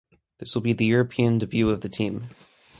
This will be the European debut of the team.